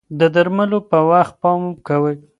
د درملو په وخت پام کوئ.